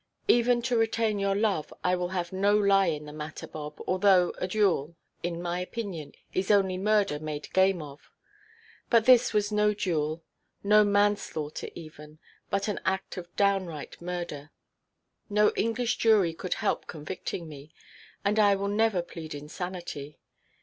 "Even to retain your love, I will have no lie in the matter, Bob, although a duel, in my opinion, is only murder made game of. But this was no duel, no manslaughter even, but an act of downright murder. No English jury could help convicting me, and I will never plead insanity.